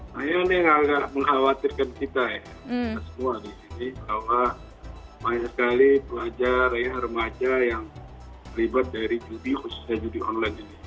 nah ini yang agak mengkhawatirkan kita ya kita semua di sini bahwa banyak sekali pelajar ya remaja yang terlibat dari judi khususnya judi online ini